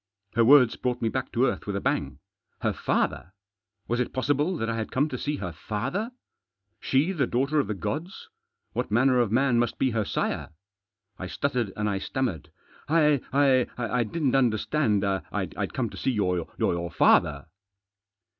Her words brought me back to earth with a bang. Her father ? Was it possible that I had come to see her father? She, the daughter of the gods; what Digitized by THE THRONE IN THE CENTRE. 243 manner of man must be her sire ? I stuttered and I stammered. "I — I didn't understand I'd come to see your father."